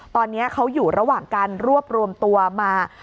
ตอนนี้เขาอยู่ระหว่างการรวบรวมตัวมา